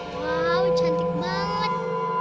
wow cantik banget